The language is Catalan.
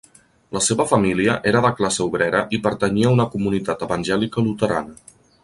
La seva família era de classe obrera i pertanyia a una comunitat evangèlica luterana.